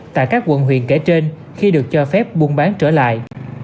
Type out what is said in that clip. tại các quận huyện kể trên khi được cho phép buôn bán trở lại